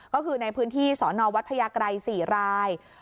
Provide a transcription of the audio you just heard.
ก็คือในพื้นที่สวพก๔ราย